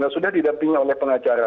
sudah didampingi oleh pengacara